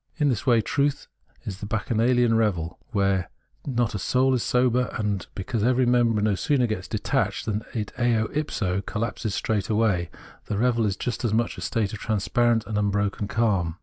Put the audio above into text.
In this way truth is the bacchanalian revel, where not a soul is sober ; and because every member no sooner gets detached than it 60 ipso collapses straightway, the revel is just as much a state of transparent imbroken calm.